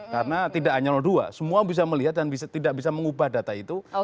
karena tidak hanya dua semua bisa melihat dan tidak bisa mengubah data itu